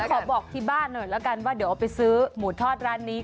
ขอบอกที่บ้านว่าจะไปซื้อหมูท็อตร้านนี้